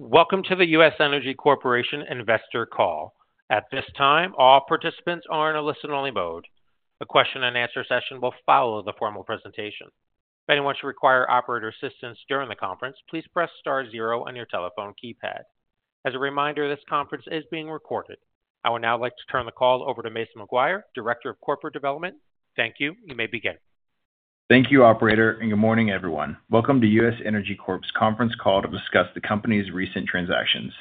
Welcome to the U.S. Energy Corporation Investor Call. At this time, all participants are in a listen-only mode. A question and answer session will follow the formal presentation. If anyone should require operator assistance during the conference, please press star zero on your telephone keypad. As a reminder, this conference is being recorded. I would now like to turn the call over to Mason McGuire, Director of Corporate Development. Thank you. You may begin. Thank you, operator, and good morning, everyone. Welcome to U.S. Energy Corp's conference call to discuss the company's recent transactions.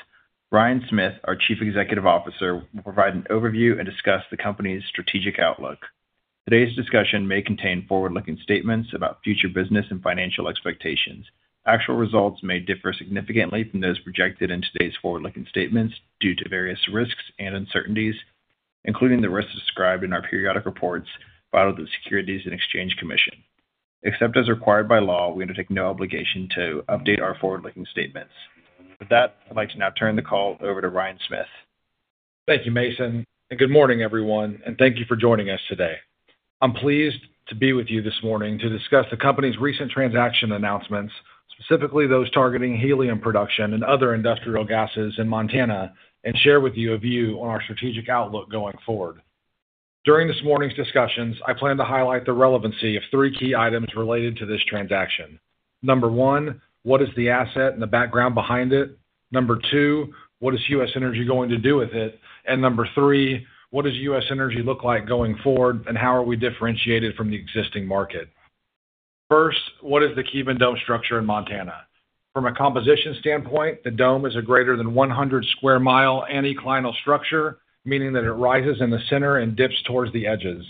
Ryan Smith, our Chief Executive Officer, will provide an overview and discuss the company's strategic outlook. Today's discussion may contain forward-looking statements about future business and financial expectations. Actual results may differ significantly from those projected in today's forward-looking statements due to various risks and uncertainties, including the risks described in our periodic reports filed with the Securities and Exchange Commission. Except as required by law, we undertake no obligation to update our forward-looking statements. With that, I'd like to now turn the call over to Ryan Smith. Thank you, Mason, and good morning, everyone, and thank you for joining us today. I'm pleased to be with you this morning to discuss the company's recent transaction announcements, specifically those targeting helium production and other industrial gases in Montana, and share with you a view on our strategic outlook going forward. During this morning's discussions, I plan to highlight the relevancy of three key items related to this transaction. Number one, what is the asset and the background behind it? Number two, what is U.S. Energy going to do with it? And number three, what does U.S. Energy look like going forward, and how are we differentiated from the existing market? First, what is the Kevin Dome structure in Montana? From a composition standpoint, the dome is a greater than 100 sq mi anticlinal structure, meaning that it rises in the center and dips towards the edges.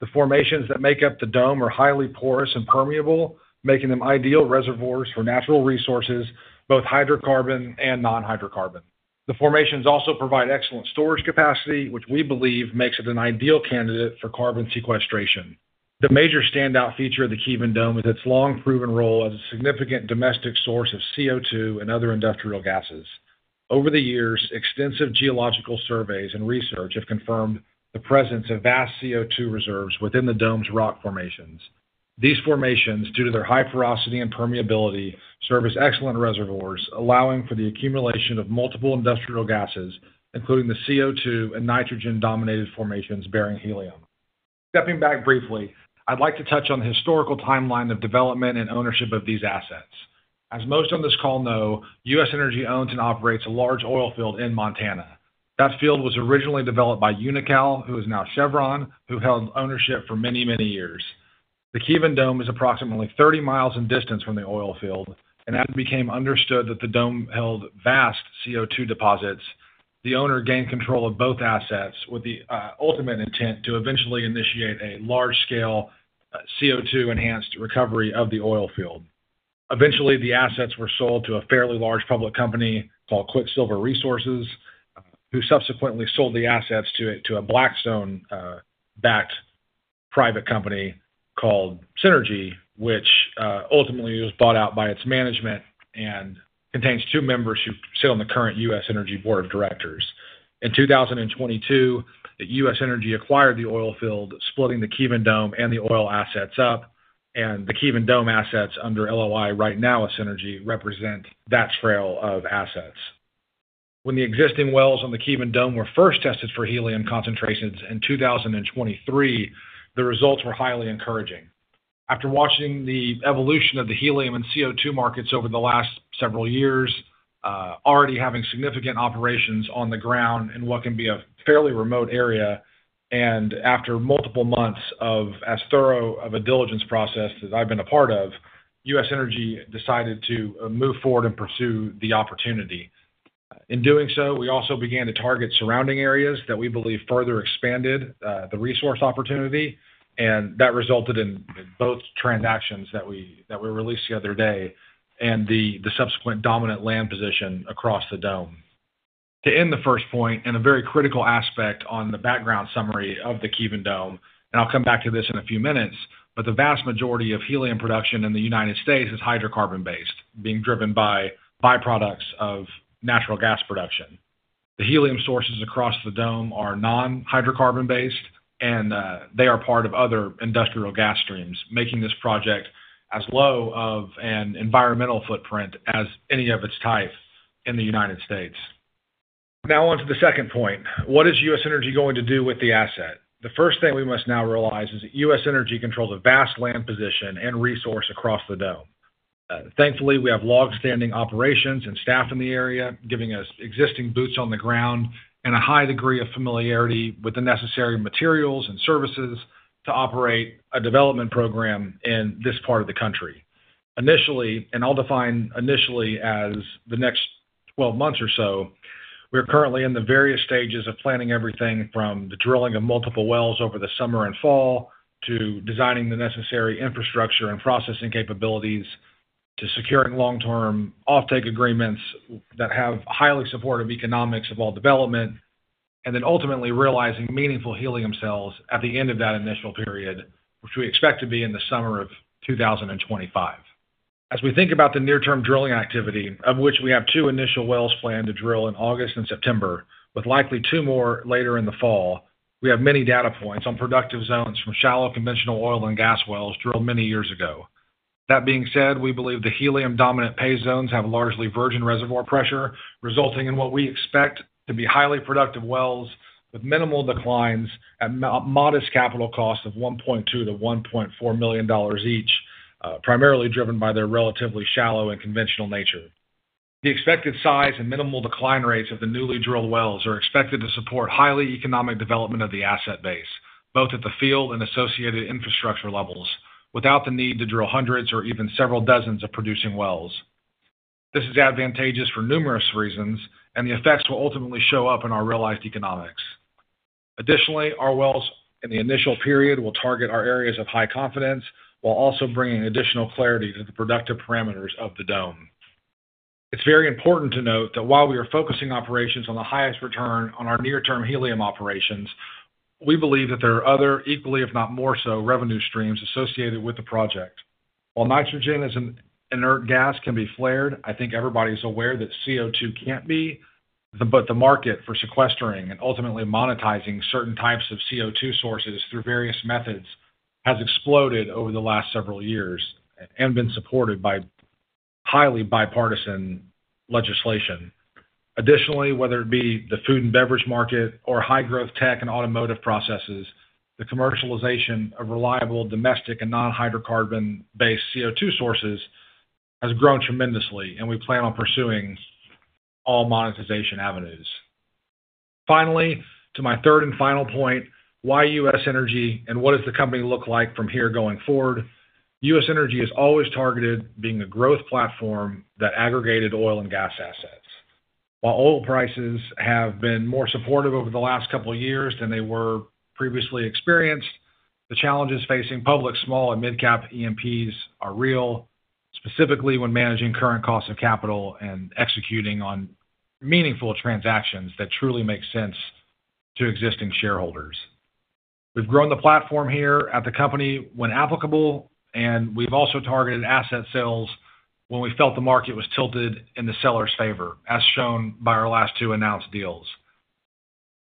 The formations that make up the dome are highly porous and permeable, making them ideal reservoirs for natural resources, both hydrocarbon and non-hydrocarbon. The formations also provide excellent storage capacity, which we believe makes it an ideal candidate for carbon sequestration. The major standout feature of the Kevin Dome is its long, proven role as a significant domestic source of CO2 and other industrial gases. Over the years, extensive geological surveys and research have confirmed the presence of vast CO2 reserves within the dome's rock formations. These formations, due to their high porosity and permeability, serve as excellent reservoirs, allowing for the accumulation of multiple industrial gases, including the CO2 and nitrogen-dominated formations bearing helium. Stepping back briefly, I'd like to touch on the historical timeline of development and ownership of these assets. As most on this call know, U.S. Energy owns and operates a large oil field in Montana. That field was originally developed by Unocal, who is now Chevron, who held ownership for many, many years. The Kevin Dome is approximately 30 miles in distance from the oil field, and as it became understood that the dome held vast CO2 deposits, the owner gained control of both assets with the ultimate intent to eventually initiate a large-scale CO2-enhanced recovery of the oil field. Eventually, the assets were sold to a fairly large public company called Quicksilver Resources, who subsequently sold the assets to a Blackstone backed private company called Synergy, which ultimately was bought out by its management and contains two members who sit on the current U.S. Energy board of directors. In 2022, U.S. Energy acquired the oil field, splitting the Kevin Dome and the oil assets up, and the Kevin Dome assets under LOI right now with Synergy represent that tail of assets. When the existing wells on the Kevin Dome were first tested for helium concentrations in 2023, the results were highly encouraging. After watching the evolution of the helium and CO2 markets over the last several years, already having significant operations on the ground in what can be a fairly remote area, and after multiple months of as thorough of a diligence process as I've been a part of, U.S. Energy decided to move forward and pursue the opportunity. In doing so, we also began to target surrounding areas that we believe further expanded the resource opportunity, and that resulted in both transactions that were released the other day and the subsequent dominant land position across the dome. To end the first point, and a very critical aspect on the background summary of the Kevin Dome, and I'll come back to this in a few minutes, but the vast majority of helium production in the United States is hydrocarbon-based, being driven by byproducts of natural gas production. The helium sources across the dome are non-hydrocarbon based, and they are part of other industrial gas streams, making this project as low of an environmental footprint as any of its type in the United States. Now, on to the second point: What is U.S. Energy going to do with the asset? The first thing we must now realize is that U.S. Energy controls a vast land position and resource across the dome. Thankfully, we have long-standing operations and staff in the area, giving us existing boots on the ground and a high degree of familiarity with the necessary materials and services to operate a development program in this part of the country. Initially, and I'll define initially as the next 12 months or so, we're currently in the various stages of planning everything from the drilling of multiple wells over the summer and fall, to designing the necessary infrastructure and processing capabilities, to securing long-term offtake agreements that have highly supportive economics of all development, and then ultimately realizing meaningful helium sales at the end of that initial period, which we expect to be in the summer of 2025. As we think about the near-term drilling activity, of which we have two initial wells planned to drill in August and September, with likely two more later in the fall. We have many data points on productive zones from shallow conventional oil and gas wells drilled many years ago. That being said, we believe the helium dominant pay zones have largely virgin reservoir pressure, resulting in what we expect to be highly productive wells with minimal declines at modest capital costs of $1.2 million-$1.4 million each, primarily driven by their relatively shallow and conventional nature. The expected size and minimal decline rates of the newly drilled wells are expected to support highly economic development of the asset base, both at the field and associated infrastructure levels, without the need to drill hundreds or even several dozens of producing wells. This is advantageous for numerous reasons, and the effects will ultimately show up in our realized economics. Additionally, our wells in the initial period will target our areas of high confidence while also bringing additional clarity to the productive parameters of the dome. It's very important to note that while we are focusing operations on the highest return on our near-term helium operations, we believe that there are other equally, if not more so, revenue streams associated with the project. While nitrogen as an inert gas can be flared, I think everybody's aware that CO2 can't be, but the market for sequestering and ultimately monetizing certain types of CO2 sources through various methods has exploded over the last several years and been supported by highly bipartisan legislation. Additionally, whether it be the food and beverage market or high-growth tech and automotive processes, the commercialization of reliable, domestic and non-hydrocarbon-based CO2 sources has grown tremendously, and we plan on pursuing all monetization avenues. Finally, to my third and final point, why U.S. Energy and what does the company look like from here going forward? U.S. Energy has always targeted being a growth platform that aggregated oil and gas assets. While oil prices have been more supportive over the last couple of years than they were previously experienced, the challenges facing public small and mid-cap E&Ps are real, specifically when managing current costs of capital and executing on meaningful transactions that truly make sense to existing shareholders. We've grown the platform here at the company when applicable, and we've also targeted asset sales when we felt the market was tilted in the seller's favor, as shown by our last two announced deals.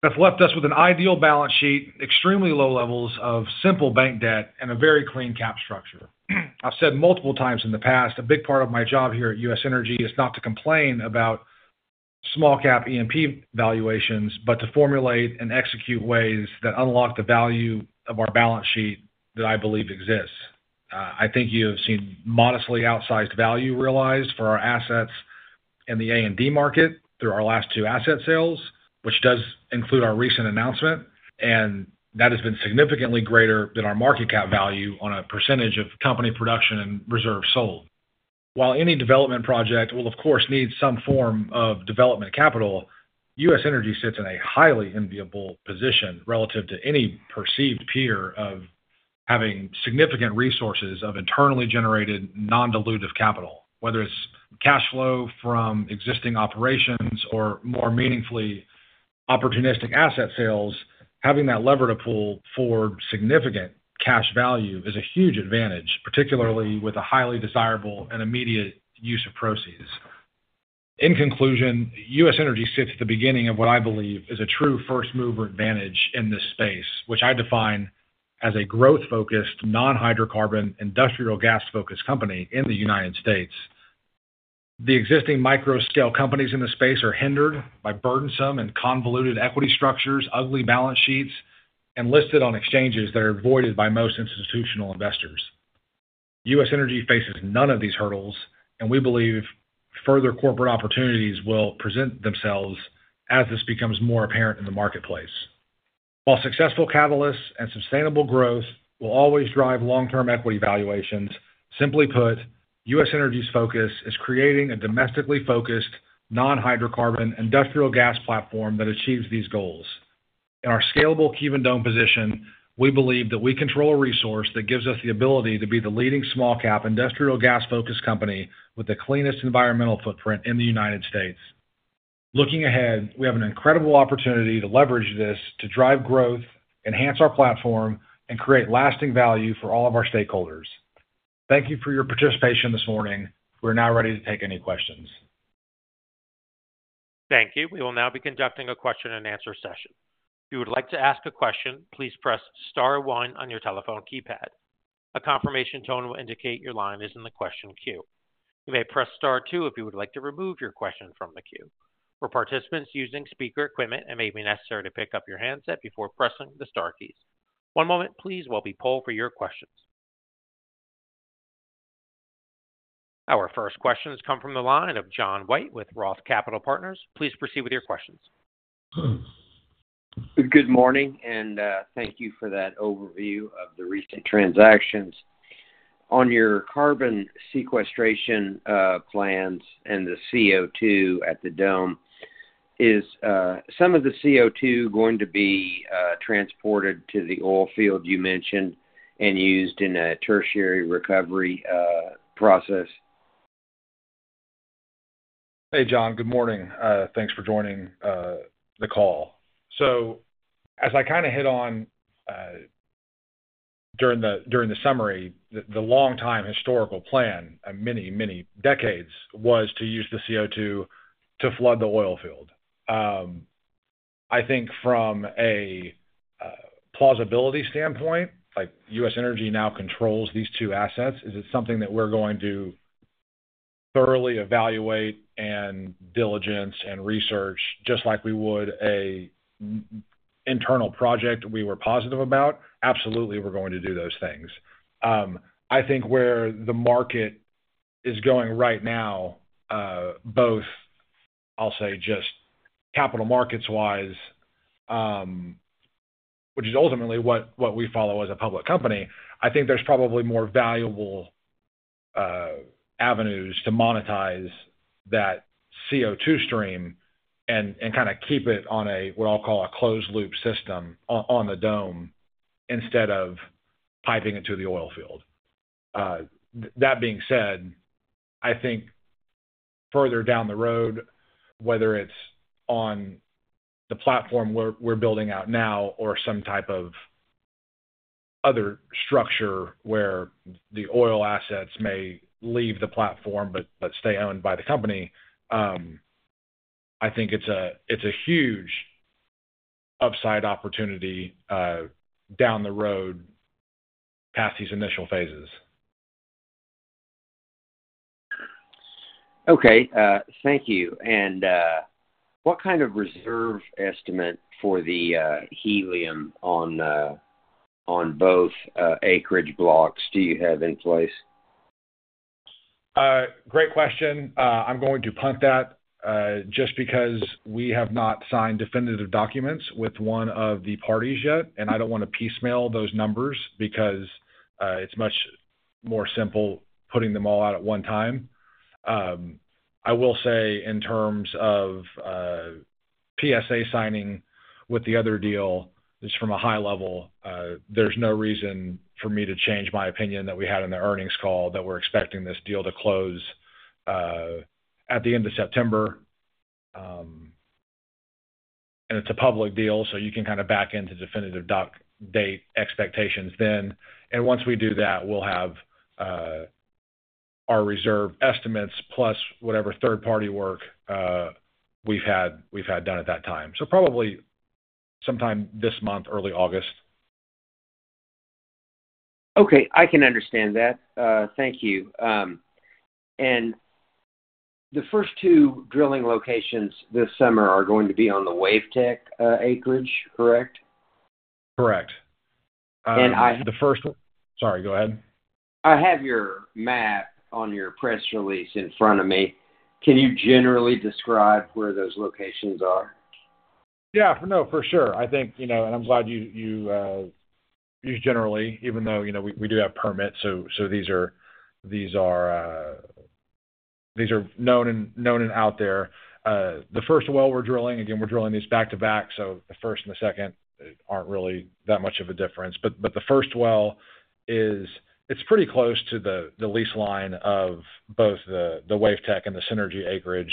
That's left us with an ideal balance sheet, extremely low levels of simple bank debt, and a very clean cap structure. I've said multiple times in the past, a big part of my job here at U.S. Energy is not to complain about small cap E&P valuations, but to formulate and execute ways that unlock the value of our balance sheet that I believe exists. I think you have seen modestly outsized value realized for our assets in the A&D market through our last two asset sales, which does include our recent announcement, and that has been significantly greater than our market cap value on a percentage of company production and reserves sold. While any development project will, of course, need some form of development capital, U.S. Energy sits in a highly enviable position relative to any perceived peer of having significant resources of internally generated, non-dilutive capital. Whether it's cash flow from existing operations or, more meaningfully, opportunistic asset sales, having that lever to pull for significant cash value is a huge advantage, particularly with a highly desirable and immediate use of proceeds. In conclusion, U.S. Energy sits at the beginning of what I believe is a true first-mover advantage in this space, which I define as a growth-focused, non-hydrocarbon, industrial gas-focused company in the United States. The existing micro-scale companies in this space are hindered by burdensome and convoluted equity structures, ugly balance sheets, and listed on exchanges that are avoided by most institutional investors. U.S. Energy faces none of these hurdles, and we believe further corporate opportunities will present themselves as this becomes more apparent in the marketplace. While successful catalysts and sustainable growth will always drive long-term equity valuations, simply put, U.S. Energy's focus is creating a domestically focused, non-hydrocarbon, industrial gas platform that achieves these goals. In our scalable Kevin Dome position, we believe that we control a resource that gives us the ability to be the leading small-cap, industrial gas-focused company with the cleanest environmental footprint in the United States. Looking ahead, we have an incredible opportunity to leverage this, to drive growth, enhance our platform, and create lasting value for all of our stakeholders. Thank you for your participation this morning. We're now ready to take any questions. Thank you. We will now be conducting a question-and-answer session. If you would like to ask a question, please press star one on your telephone keypad. A confirmation tone will indicate your line is in the question queue. You may press Star two if you would like to remove your question from the queue. For participants using speaker equipment, it may be necessary to pick up your handset before pressing the star keys. One moment, please, while we poll for your questions. Our first question has come from the line of John White with ROTH Capital Partners. Please proceed with your questions. Good morning, and thank you for that overview of the recent transactions. On your carbon sequestration plans and the CO2 at the dome, is some of the CO2 going to be transported to the oil field you mentioned and used in a tertiary recovery process? Hey, John. Good morning. Thanks for joining the call. So as I kind of hit on during the summary, the long time historical plan, many, many decades was to use the CO2 to flood the oil field. I think from a plausibility standpoint, like, U.S. Energy now controls these two assets, is it something that we're going to thoroughly evaluate and diligence and research, just like we would an internal project we were positive about? Absolutely, we're going to do those things. I think where the market is going right now, both I'll say just capital markets wise, which is ultimately what we follow as a public company, I think there's probably more valuable avenues to monetize that CO2 stream and kinda keep it on a, what I'll call a closed loop system, on the dome, instead of piping it to the oil field. That being said, I think further down the road, whether it's on the platform we're building out now or some type of other structure where the oil assets may leave the platform, but stay owned by the company, I think it's a huge upside opportunity down the road, past these initial phases. Okay. Thank you. And, what kind of reserve estimate for the helium on both acreage blocks do you have in place? Great question. I'm going to punt that, just because we have not signed definitive documents with one of the parties yet, and I don't wanna piecemeal those numbers because, it's much more simple putting them all out at one time. I will say in terms of, PSA signing with the other deal, just from a high level, there's no reason for me to change my opinion that we had in the earnings call, that we're expecting this deal to close, at the end of September. And it's a public deal, so you can kinda back into definitive doc date expectations then. And once we do that, we'll have, our reserve estimates, plus whatever third-party work, we've had, we've had done at that time. So probably sometime this month, early August. Okay, I can understand that. Thank you. And the first two drilling locations this summer are going to be on the Wavetech acreage, correct? Correct. And I- Sorry, go ahead. I have your map on your press release in front of me. Can you generally describe where those locations are? Yeah. No, for sure. I think, you know, and I'm glad you used generally, even though, you know, we do have permits, so these are known and out there. The first well we're drilling, again, we're drilling these back-to-back, so the first and the second aren't really that much of a difference. But the first well is... It's pretty close to the lease line of both the Wavetech and the Synergy acreage.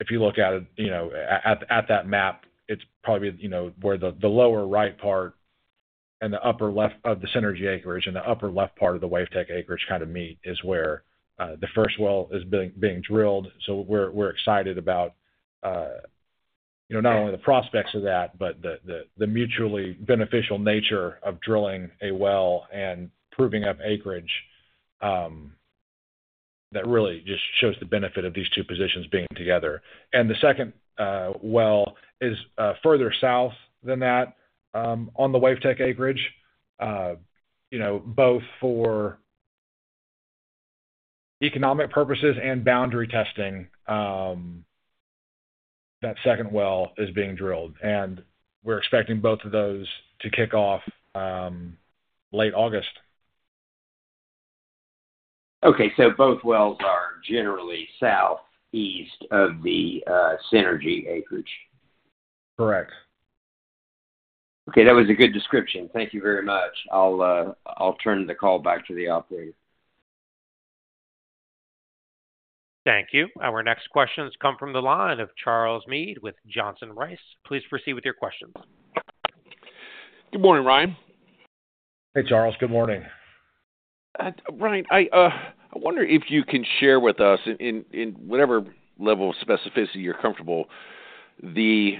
If you look at it, you know, at that map, it's probably, you know, where the lower right part and the upper left of the Synergy acreage and the upper left part of the Wavetech acreage kind of meet, is where the first well is being drilled. So we're excited about, you know, not only the prospects of that, but the mutually beneficial nature of drilling a well and proving up acreage, that really just shows the benefit of these two positions being together. And the second well is further south than that, on the Wavetech acreage. You know, both for economic purposes and boundary testing, that second well is being drilled, and we're expecting both of those to kick off, late August. Okay. So both wells are generally southeast of the Synergy acreage? Correct. Okay. That was a good description. Thank you very much. I'll turn the call back to the operator. Thank you. Our next questions come from the line of Charles Meade with Johnson Rice. Please proceed with your questions. Good morning, Ryan. Hey, Charles. Good morning. Ryan, I wonder if you can share with us in whatever level of specificity you're comfortable, the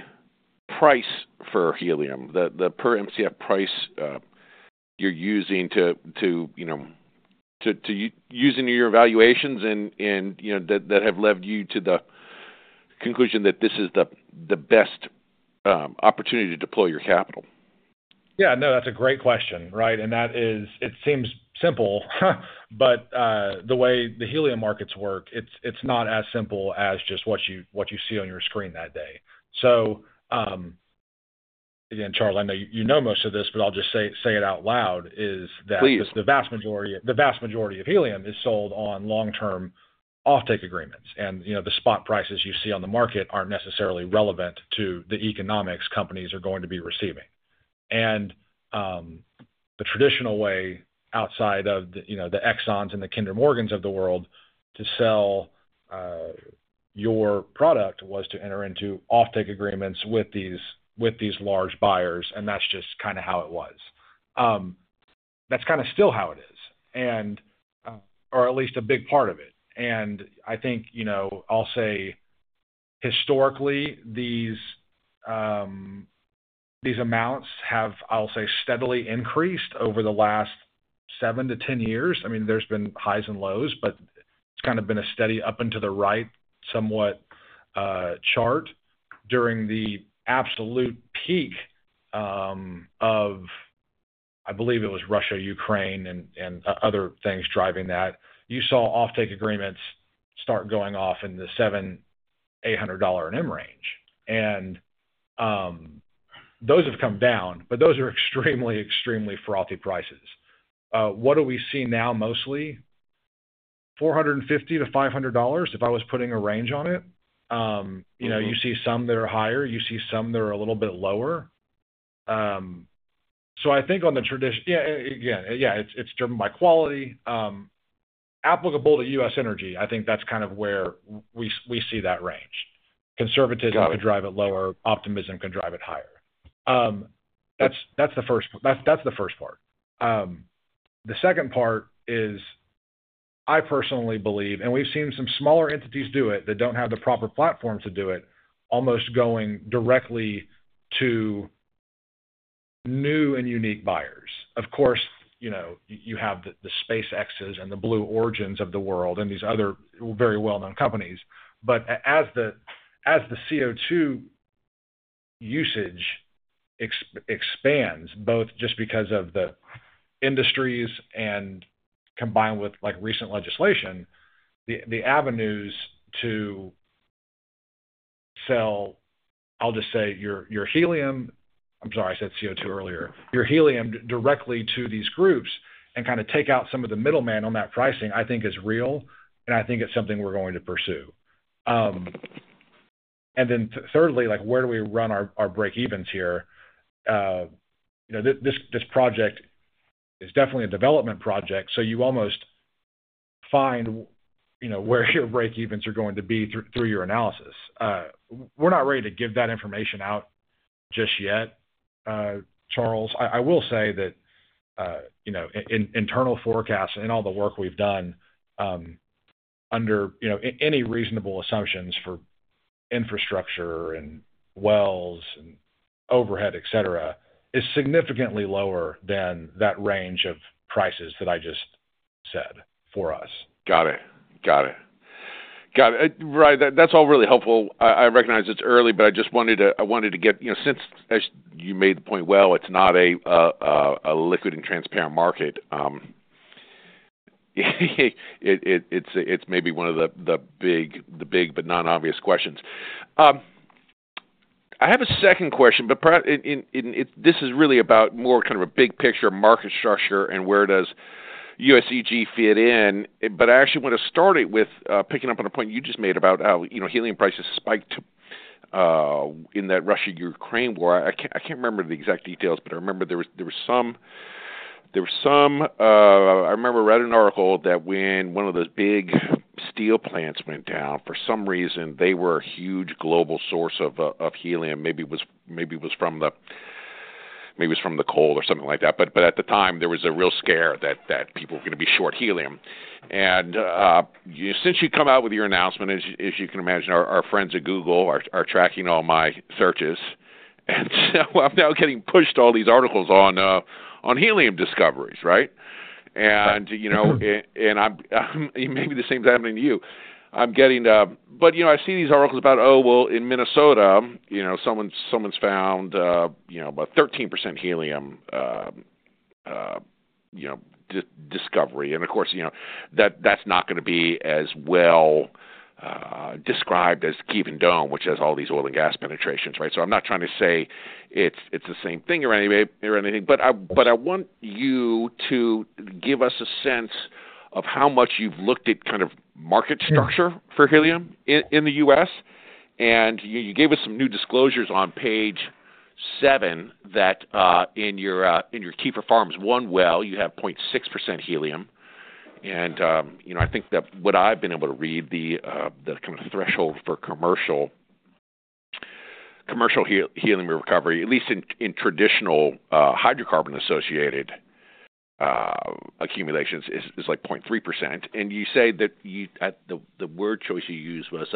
price for helium, the per Mcf price you're using to, you know, to use in your evaluations and, you know, that have led you to the conclusion that this is the best opportunity to deploy your capital. Yeah, no, that's a great question, right? And that is-- It seems simple, but the way the helium markets work, it's not as simple as just what you see on your screen that day. So, again, Charles, I know you know most of this, but I'll just say it out loud, is that- Please. The vast majority, the vast majority of helium is sold on long-term offtake agreements. And, you know, the spot prices you see on the market aren't necessarily relevant to the economics companies are going to be receiving. And, the traditional way outside of the, you know, the Exxons and the Kinder Morgans of the world, to sell your product was to enter into offtake agreements with these, with these large buyers, and that's just kinda how it was. That's kinda still how it is, and, or at least a big part of it. And I think, you know, I'll say historically, these, these amounts have, I'll say, steadily increased over the last 7 years-10 years. I mean, there's been highs and lows, but it's kind of been a steady up and to the right, somewhat, chart. During the absolute peak of, I believe it was Russia, Ukraine, and other things driving that, you saw offtake agreements start going off in the $700-$800 an Mcf range. And, those have come down, but those are extremely, extremely frothy prices. What do we see now mostly? $450-$500, if I was putting a range on it. You know, you see some that are higher, you see some that are a little bit lower. So I think on the traditional—yeah, yeah, it's driven by quality. Applicable to U.S. Energy, I think that's kind of where we see that range. Conservatism- Got it. - could drive it lower, optimism could drive it higher. That's the first part. The second part is, I personally believe, and we've seen some smaller entities do it that don't have the proper platform to do it, almost going directly to new and unique buyers. Of course, you know, you have the SpaceX's and the Blue Origins of the world and these other very well-known companies. But as the CO2 usage expands, both just because of the industries and combined with, like, recent legislation, the avenues to sell, I'll just say, your helium... I'm sorry, I said CO2 earlier. Your helium directly to these groups and kinda take out some of the middleman on that pricing, I think is real, and I think it's something we're going to pursue. And then thirdly, like, where do we run our breakevens here? You know, this project is definitely a development project, so you almost find, you know, where your breakevens are going to be through your analysis. We're not ready to give that information out just yet, Charles. I will say that, you know, internal forecasts and all the work we've done, under, you know, any reasonable assumptions for infrastructure and wells and overhead, et cetera, is significantly lower than that range of prices that I just said for us. Got it. Got it. Got it. Right, that's all really helpful. I recognize it's early, but I just wanted to get, you know, since as you made the point well, it's not a liquid and transparent market. It's maybe one of the big but non-obvious questions. I have a second question, but this is really about more kind of a big picture market structure and where does USEG fit in. But I actually want to start it with picking up on a point you just made about how, you know, helium prices spiked to in that Russia-Ukraine war. I can't remember the exact details, but I remember there was some. I remember reading an article that when one of those big steel plants went down, for some reason, they were a huge global source of helium. Maybe it was, maybe it was from the, maybe it was from the coal or something like that. But, but at the time, there was a real scare that, that people were gonna be short helium. And, since you've come out with your announcement, as you can imagine, our, our friends at Google are, are tracking all my searches, and so I'm now getting pushed all these articles on, on helium discoveries, right? Right. And, you know, and I'm maybe the same thing is happening to you. I'm getting. But, you know, I see these articles about, oh, well, in Minnesota, you know, someone, someone's found, you know, about 13% helium, you know, discovery. And of course, you know, that, that's not gonna be as well described as Kevin Dome, which has all these oil and gas penetrations, right? So I'm not trying to say it's, it's the same thing or any way or anything, but I, but I want you to give us a sense of how much you've looked at kind of market structure- Yeah - for helium in the US. And you gave us some new disclosures on page seven, that, in your, in your Kiefer Farms one well, you have 0.6% helium. And, you know, I think that what I've been able to read, the, the kind of threshold for commercial helium recovery, at least in traditional, hydrocarbon-associated accumulations, is like 0.3%. And you say that the, the word choice you used was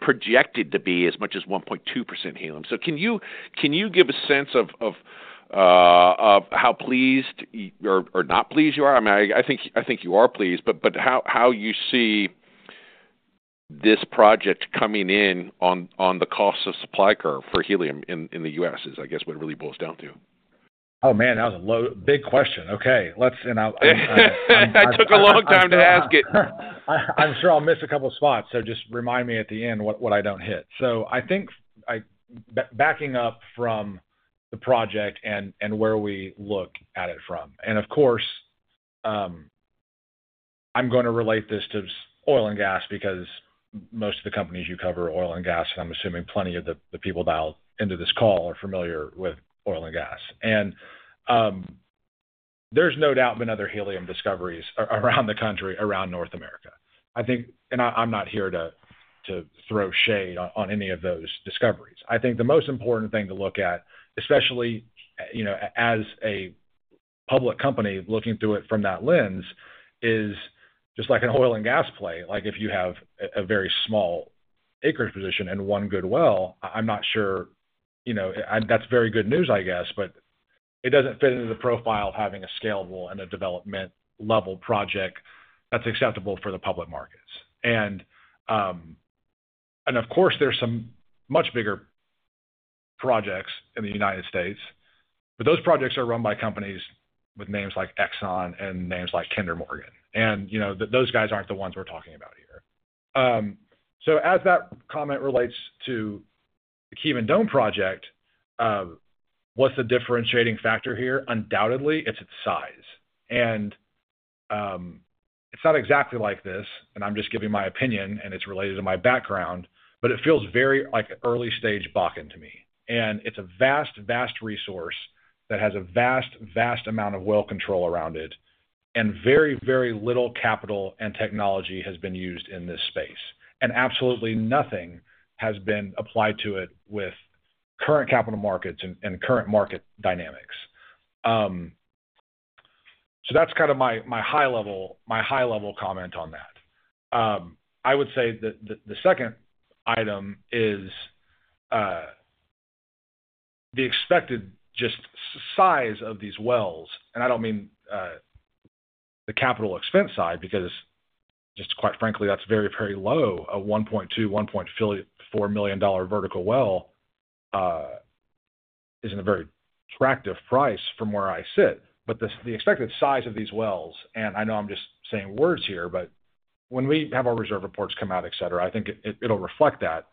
projected to be as much as 1.2% helium. So can you give a sense of how pleased or not pleased you are? I mean, I think you are pleased, but how you see this project coming in on the cost of supply curve for helium in the U.S., is I guess what it really boils down to. Oh, man, that was a big question. Okay, let's and I'll- It took a long time to ask it. I'm sure I'll miss a couple of spots, so just remind me at the end what I don't hit. So I think backing up from the project and where we look at it from, and of course, I'm gonna relate this to oil and gas because most of the companies you cover are oil and gas, and I'm assuming plenty of the people dialed into this call are familiar with oil and gas. And there's no doubt been other helium discoveries around the country, around North America. I think. And I, I'm not here to throw shade on any of those discoveries. I think the most important thing to look at, especially, you know, as a public company, looking through it from that lens, is just like an oil and gas play. Like, if you have a very small acreage position and one good well, I'm not sure, you know. That's very good news, I guess, but it doesn't fit into the profile of having a scalable and a development level project that's acceptable for the public markets. And, and of course, there's some much bigger projects in the United States, but those projects are run by companies with names like Exxon and names like Kinder Morgan. And, you know, those guys aren't the ones we're talking about here. So as that comment relates to the Kevin Dome project, what's the differentiating factor here? Undoubtedly, it's its size. And, it's not exactly like this, and I'm just giving my opinion, and it's related to my background, but it feels very like early stage Bakken to me. It's a vast, vast resource that has a vast, vast amount of well control around it, and very, very little capital and technology has been used in this space. Absolutely nothing has been applied to it with current capital markets and current market dynamics. That's kind of my, my high level, my high level comment on that. I would say that the second item is the expected just size of these wells, and I don't mean the capital expense side, because just quite frankly, that's very, very low. A $1.2 million-$1.4 million vertical well is in a very attractive price from where I sit. But the expected size of these wells, and I know I'm just saying words here, but when we have our reserve reports come out, et cetera, I think it, it'll reflect that.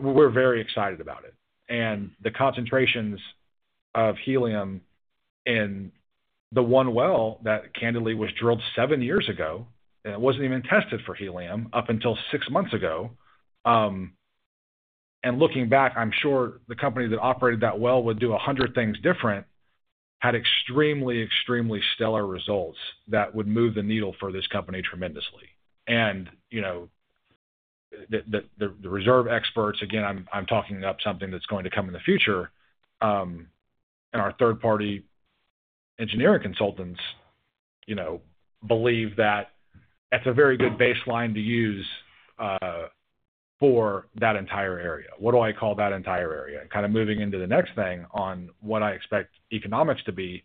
We're very excited about it. And the concentrations of helium in the one well that candidly was drilled 7 years ago, and it wasn't even tested for helium up until 6 months ago, and looking back, I'm sure the company that operated that well would do 100 things different, had extremely, extremely stellar results that would move the needle for this company tremendously. And, you know, the reserve experts, again, I'm talking up something that's going to come in the future, and our third-party engineering consultants, you know, believe that that's a very good baseline to use, for that entire area. What do I call that entire area? Kind of moving into the next thing on what I expect economics to be.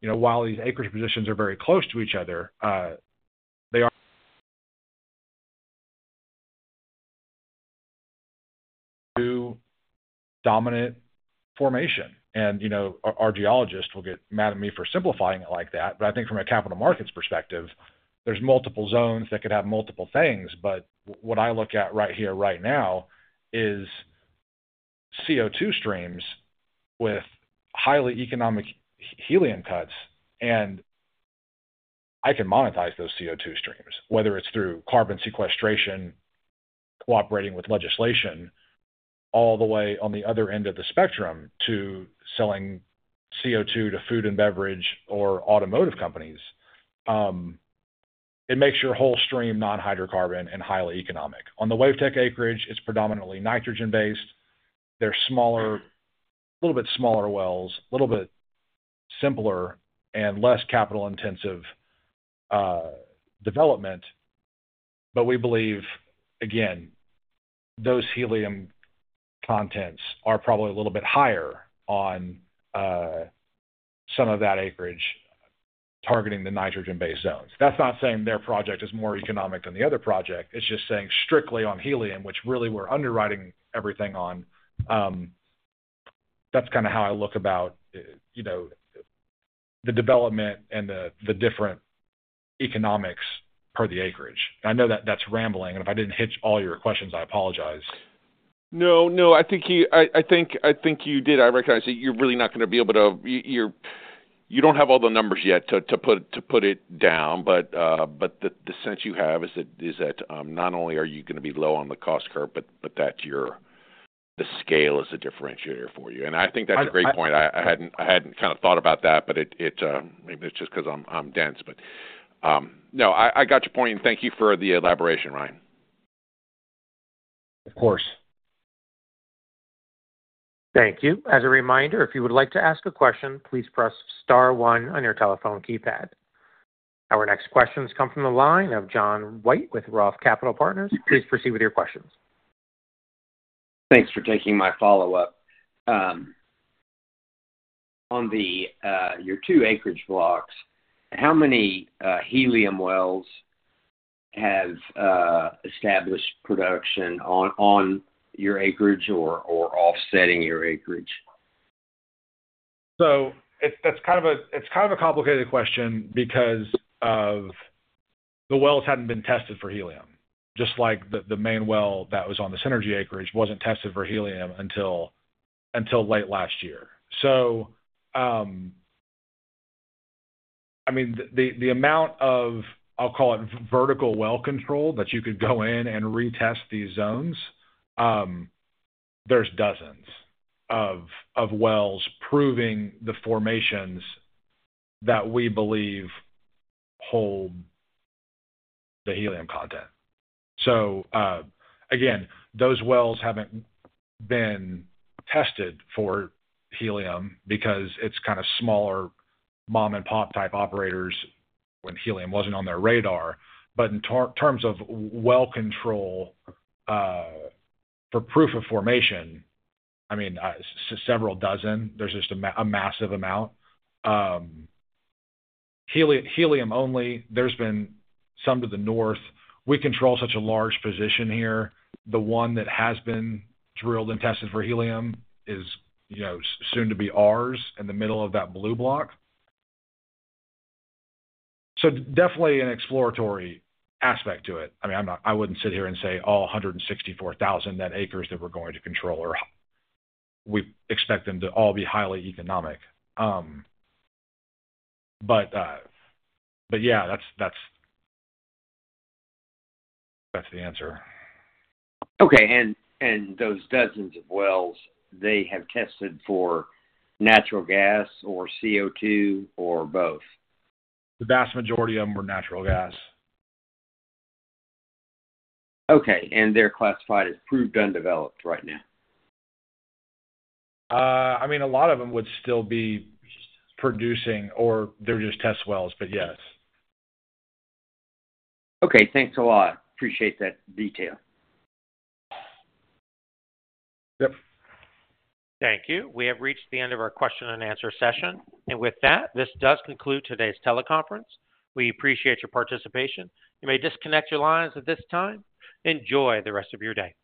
You know, while these acreage positions are very close to each other, they are two dominant formations. And, you know, our geologists will get mad at me for simplifying it like that, but I think from a capital markets perspective, there's multiple zones that could have multiple things. But what I look at right here, right now is CO2 streams with highly economic helium cuts, and I can monetize those CO2 streams, whether it's through carbon sequestration, cooperating with legislation, all the way on the other end of the spectrum to selling CO2 to food and beverage or automotive companies. It makes your whole stream non-hydrocarbon and highly economic. On the Wavetech acreage, it's predominantly nitrogen-based. They're smaller, a little bit smaller wells, a little bit simpler and less capital-intensive development. But we believe, again, those helium contents are probably a little bit higher on some of that acreage targeting the nitrogen-based zones. That's not saying their project is more economic than the other project. It's just saying strictly on helium, which really we're underwriting everything on. That's kind of how I look about, you know, the development and the different economics per the acreage. I know that that's rambling, and if I didn't hit all your questions, I apologize. No, no, I think you did. I recognize that you're really not gonna be able to—you don't have all the numbers yet to put it down, but the sense you have is that not only are you gonna be low on the cost curve, but that the scale is a differentiator for you. And I think that's a great point. I hadn't kind of thought about that, but maybe it's just because I'm dense, but no, I got your point, and thank you for the elaboration, Ryan. Of course. Thank you. As a reminder, if you would like to ask a question, please press star one on your telephone keypad. Our next question comes from the line of John White with ROTH Capital Partners. Please proceed with your questions. Thanks for taking my follow-up. On your two acreage blocks, how many helium wells have established production on your acreage or offsetting your acreage? So it's a complicated question because the wells hadn't been tested for helium, just like the main well that was on the Synergy acreage wasn't tested for helium until late last year. So, I mean, the amount of, I'll call it vertical well control, that you could go in and retest these zones, there's dozens of wells proving the formations that we believe hold the helium content. So, again, those wells haven't been tested for helium because it's kind of smaller mom-and-pop type operators when helium wasn't on their radar. But in terms of well control, for proof of formation, I mean, several dozen. There's just a massive amount. Helium only, there's been some to the north. We control such a large position here. The one that has been drilled and tested for helium is, you know, soon to be ours in the middle of that blue block. So definitely an exploratory aspect to it. I mean, I'm not, I wouldn't sit here and say, all 164,000 net acres that we're going to control are, we expect them to all be highly economic. But yeah, that's the answer. Okay. And those dozens of wells, they have tested for natural gas or CO2 or both? The vast majority of them were natural gas. Okay, and they're classified as proved undeveloped right now? I mean, a lot of them would still be producing or they're just test wells, but yes. Okay, thanks a lot. Appreciate that detail. Yep. Thank you. We have reached the end of our question and answer session. With that, this does conclude today's teleconference. We appreciate your participation. You may disconnect your lines at this time. Enjoy the rest of your day.